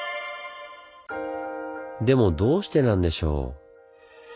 でもどうしてなんでしょう？